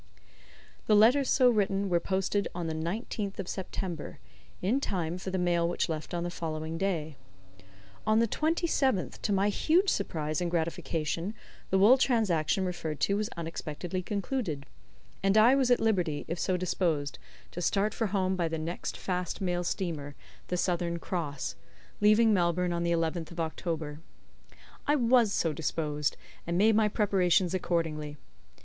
The letters so written were posted on the 19th of September, in time for the mail which left on the following day. On the 27th, to my huge surprise and gratification, the wool transaction referred to was unexpectedly concluded, and I was at liberty, if so disposed, to start for home by the next fast mail steamer, the Southern Cross, leaving Melbourne on the 11th of October. I was so disposed, and made my preparations accordingly.